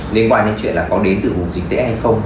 liên quan đến chuyện là có đến từ vùng dịch tễ hay không